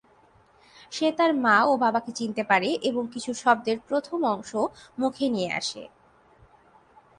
সে তার মা ও বাবাকে চিনতে পারে এবং কিছু শব্দের প্রথম অংশ মুখে নিয়ে আসে।